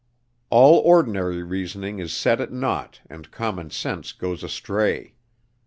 All ordinary reasoning is set at naught and common sense goes astray.